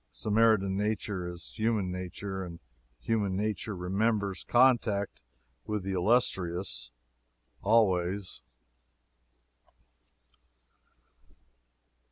Samaritan nature is human nature, and human nature remembers contact with the illustrious, always.